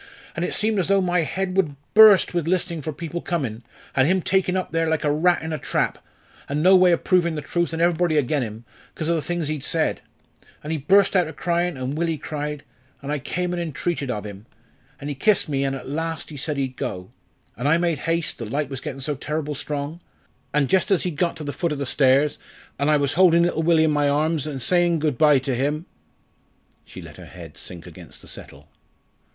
An' it seemed as though my head would burst with listening for people comin', and him taken up there like a rat in a trap, an' no way of provin' the truth, and everybody agen him, because of the things he'd said. And he burst out a cryin', an' Willie cried. An' I came an' entreated of him. An' he kissed me; an' at last he said he'd go. An' I made haste, the light was getting so terrible strong; an' just as he'd got to the foot of the stairs, an' I was holding little Willie in my arms an' saying good bye to him " She let her head sink against the settle.